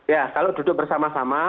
ya kalau duduk bersama sama